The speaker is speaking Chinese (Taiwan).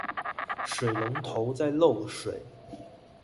水龍頭在漏水